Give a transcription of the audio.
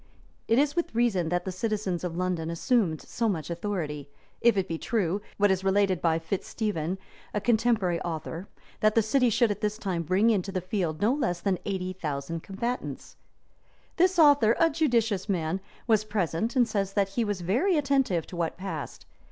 It is with reason that the citizens of London assumed so much authority, if it be true, what is related by Fitz Stephen, a contemporary author, that that city should at this time bring into the field no less than eighty thousand combatants.[] [* W. Malms, p. 188. This author, a judicious man, was present, and says that he was very attentive to what passed.